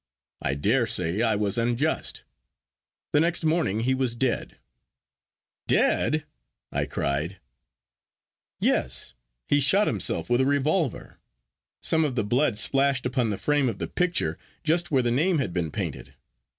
I dare say I was unjust. The next morning he was dead.' 'Dead!' I cried, 'Yes; he shot himself with a revolver. Some of the blood splashed upon the frame of the picture, just where the name had been painted.